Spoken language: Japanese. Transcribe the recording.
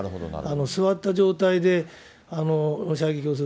座った状態で射撃をする。